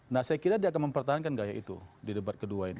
nah saya kira dia akan mempertahankan gaya itu di debat kedua ini